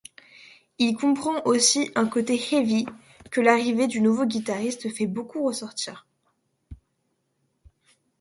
Il comprend aussi un côté Heavy que l'arrivée du nouveau guitariste fait beaucoup ressortir.